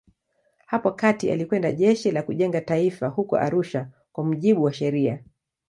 Hapo kati alikwenda Jeshi la Kujenga Taifa huko Arusha kwa mujibu wa sheria.